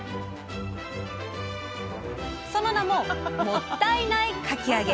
その名も「もったいないかき揚げ」。